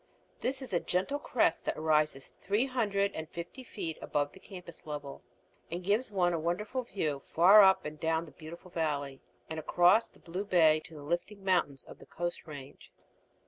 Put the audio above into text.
This is a gentle crest that rises three hundred and fifty feet above the campus level, and gives one a wonderful view far up and down the beautiful valley and across the blue bay to the lifting mountains of the Coast Range.